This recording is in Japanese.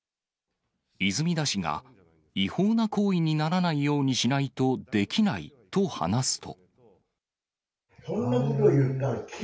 泉田氏が、違法な行為にならないようにしないとできないと話すと。